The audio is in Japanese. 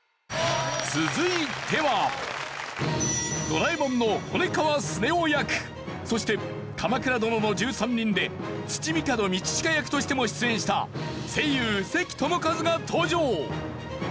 『ドラえもん』の骨川スネ夫役そして『鎌倉殿の１３人』で土御門通親役としても出演した声優関智一が登場！